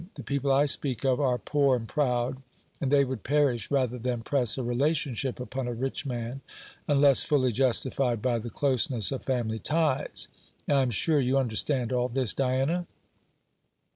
The people I speak of are poor and proud, and they would perish rather than press a relationship upon a rich man, unless fully justified by the closeness of family ties. I am sure you understand all this, Diana?"